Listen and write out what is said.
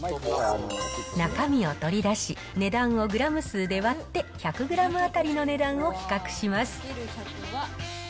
中身を取り出し、値段をグラム数で割って、１００グラム当たりの値段を比較します。